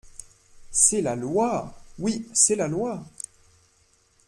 C’est la loi ! Oui c’est la loi.